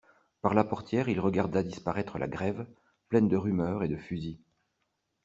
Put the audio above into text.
Par la portière il regarda disparaître la Grève, pleine de rumeurs et de fusils.